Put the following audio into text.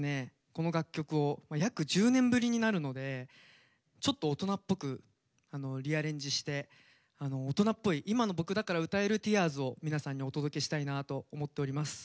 この楽曲を約１０年ぶりになるのでちょっと大人っぽくリアレンジして大人っぽい今の僕だから歌える「Ｔｅａｒｓ」を皆さんにお届けしたいなと思っております。